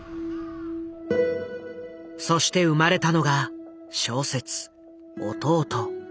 そして生まれたのが小説「弟」。